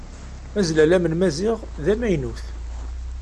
Azlalam n Maziɣ d amaynut.